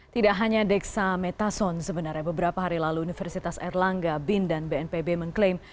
tidak hanya deksa metason sebenarnya beberapa hari lalu universitas erlangga bin dan bnpb mengklaim